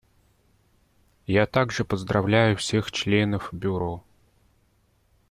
Я также поздравляю всех членов Бюро.